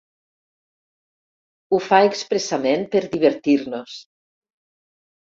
Ho fa expressament per divertir-nos.